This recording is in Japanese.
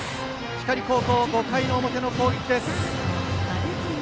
光高校、５回表の攻撃です。